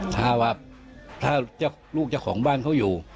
ถ้าว่าถ้าลูกเจ้าของบ้านเขาอยู่